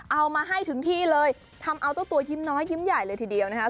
เอามาให้ถึงที่เลยทำเอาเจ้าตัวยิ้มน้อยยิ้มใหญ่เลยทีเดียวนะคะ